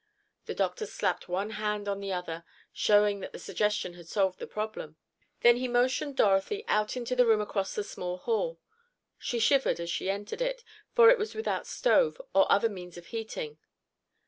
The doctor slapped one hand on the other, showing that the suggestion had solved the problem. Then he motioned Dorothy out into the room across the small hall. She shivered as she entered it, for it was without stove, or other means of heating.